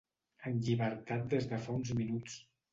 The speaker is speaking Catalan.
En llibertat des de fa uns minuts.